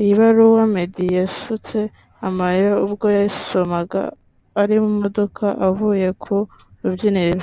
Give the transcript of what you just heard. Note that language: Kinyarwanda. iyi baruwa Meddy yasutse amarira ubwo yayisomaga ari mu modoka avuye ku rubyiniro